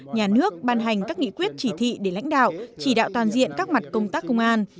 nhà nước ban hành các nghị quyết chỉ thị để lãnh đạo chỉ đạo toàn diện các mặt công tác công an